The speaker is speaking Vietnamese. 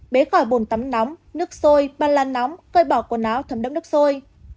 bế khỏi bồn tắm nóng nước sôi ban lan nóng cơi bỏ quần áo thấm đẫm nước sôi